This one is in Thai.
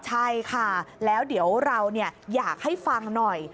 ใช่ค่ะแล้วเดี๋ยวเราอยากให้ฟังหน่อย